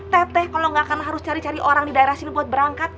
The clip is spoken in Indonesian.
teteh kalau nggak karena harus cari cari orang di daerah sini buat berangkat